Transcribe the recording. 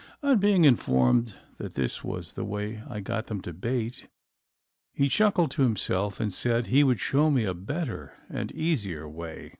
On being informed that this was the way I got them to bait, he chuckled to himself and said he would show me a better and easier way.